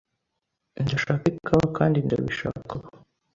Ndashaka ikawa kandi ndabishaka ubu.